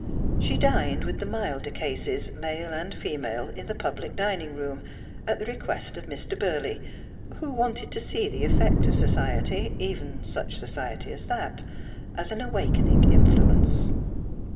She dined with the milder cases, male and female, in the pubHc dining room, at the request of Mr. Burley, who wanted to see the effect of society, even such society as that, as an awakening influence.